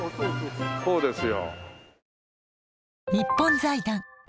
こうですよ。